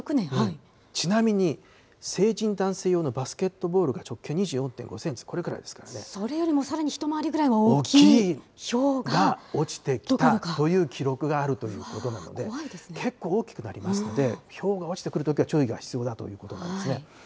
ちなみに成人男性用のバスケットボールが直径２４．５センチ、それよりもさらに一回りぐら落ちてきたという記録があるということなので、けっこう大きくなりますので、ひょうが落ちてくるときは注意が必要だということなんですね。